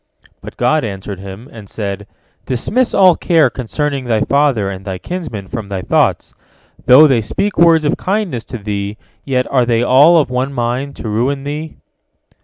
'" But God answered him, and said: "Dismiss all care concerning thy father and thy kinsmen from thy thoughts. Though they speak words of kindness to thee, yet are they all of one mind, to ruin thee."